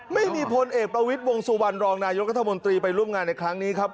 พลเอกประวิทย์วงสุวรรณรองนายกรัฐมนตรีไปร่วมงานในครั้งนี้ครับ